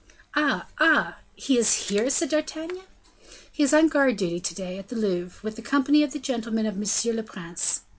"Ah! ah! he is here?" said D'Artagnan. "He is on guard to day, at the Louvre, with the company of the gentlemen of monsieur le prince."